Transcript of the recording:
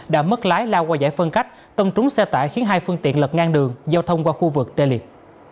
đã mất lái lao qua giải phân cách tông trúng xe tải khiến hai phương tiện lật ngang đường giao thông qua khu vực tê liệt